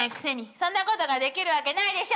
そんなことができるわけないでしょ！